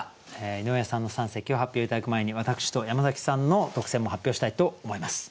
井上さんの三席を発表頂く前に私と山崎さんの特選も発表したいと思います。